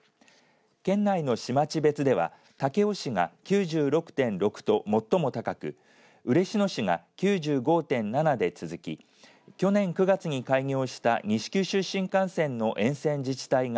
県内の市町別では武雄市が９６．６と最も高く嬉野市が９５．７で続き去年９月に開業した西九州新幹線の沿線自治体が